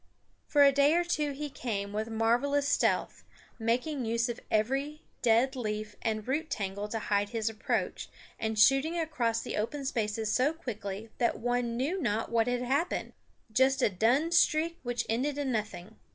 For a day or two he came with marvelous stealth, making use of every dead leaf and root tangle to hide his approach, and shooting across the open spaces so quickly that one knew not what had happened just a dun streak which ended in nothing.